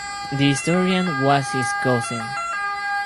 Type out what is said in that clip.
The historian was his cousin.